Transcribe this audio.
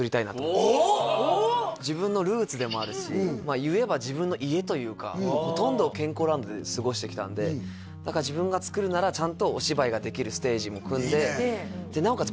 自分のルーツでもあるしいえば自分の家というかほとんどを健康ランドで過ごしてきたんで自分がつくるならちゃんとお芝居ができるステージも組んででなおかつ